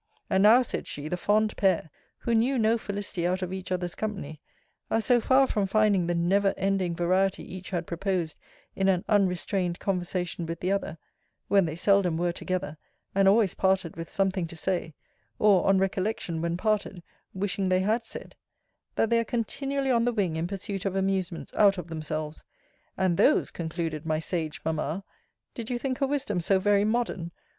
And now, said she, the fond pair, who knew no felicity out of each other's company, are so far from finding the never ending variety each had proposed in an unrestrained conversation with the other (when they seldom were together; and always parted with something to say; or, on recollection, when parted, wishing they had said); that they are continually on the wing in pursuit of amusements out of themselves; and those, concluded my sage mamma, [Did you think her wisdom so very modern?